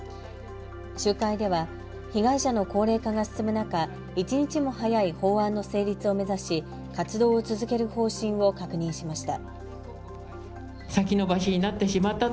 集会では被害者の高齢化が進む中、一日も早い法案の成立を目指し活動を続ける方針を確認しました。